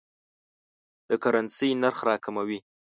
د کرنسۍ نرخ راکموي.